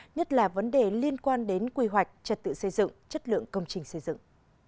nhất là vấn đề liên quan đến quy hoạch trật tự xây dựng chất lượng công trình xây dựng